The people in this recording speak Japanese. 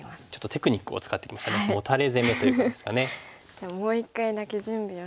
じゃあもう一回だけ準備をして。